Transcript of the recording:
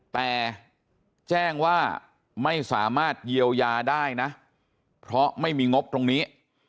แต่แจ้งว่าไม่สามารถเยียวยาได้นะเพราะไม่มีงบตรงนี้